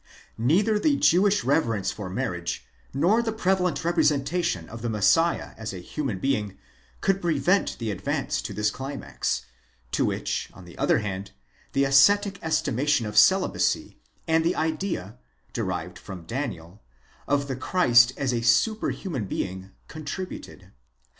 Neither the Jewish reverence for marriage, nor the prevalent representation of the Messiah as a human being, could prevent the advance to this climax ; to which, on the other hand, the ascetic estimation of celibacy, and the idea, derived from Daniel, of the Christ as a superhuman being, contributed.